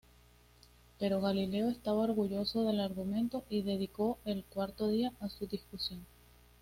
Pero Galileo estaba orgulloso del argumento y dedicó el cuarto día a su discusión.